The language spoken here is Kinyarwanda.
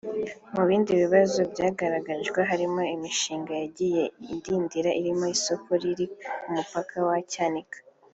Mu bindi bibazo byagaragajwe harimo imishinga yagiye idindira irimo isoko riri ku mupaka wa Cyanika